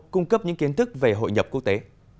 cung cấp những kiến thức về hội nhập quốc tế